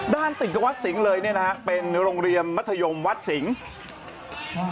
ด้านติดกับวัดสิงห์เลยเป็นโรงเรียนมัธยมวัดสิงห์